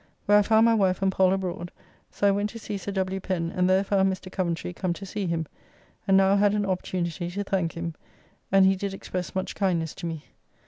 Where I found my wife and Pall abroad, so I went to see Sir W. Pen, and there found Mr. Coventry come to see him, and now had an opportunity to thank him, and he did express much kindness to me.